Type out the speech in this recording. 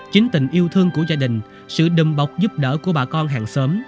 chính tình yêu thương của gia đình sự đùm bọc giúp đỡ của bà con hàng xóm